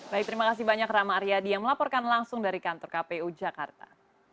baik terima kasih banyak rama aryadi yang melaporkan langsung dari kantor kpu jakarta